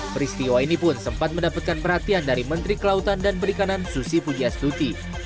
peristiwa ini pun sempat mendapatkan perhatian dari menteri kelautan dan perikanan susi pujiastuti